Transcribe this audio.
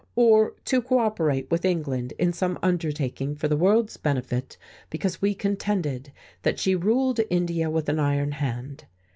or to cooperate with England in some undertaking for the world's benefit because we contended that she ruled India with an iron hand?